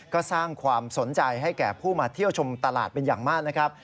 ก็สร้างความสนใจให้แก่ผู้มาเที่ยวชมตลาดเป็นอย่างมากนะครับ